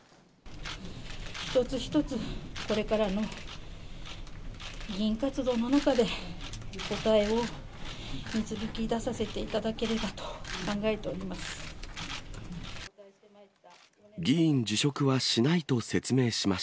一つ一つこれからの議員活動の中で、答えを導き出させていただければと考えております。